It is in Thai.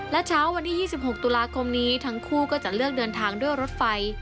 และเช้าวันที่๒๖ตุลาคมนี้ทั้งคู่ก็จะเลือกเดินทางด้วยรถไฟ